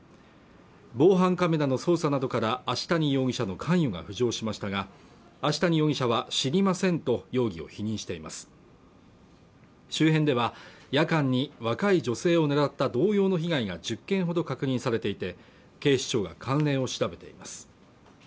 防犯カメラの捜査などから芦谷容疑者の関与が浮上しましたが芦谷容疑者は知りませんと容疑を否認しています周辺では夜間に若い女性を狙った同様の被害が１０件ほど確認されていて警視庁が関連を調べています